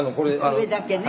「上だけね」